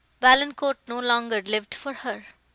—Valancourt no longer lived for her!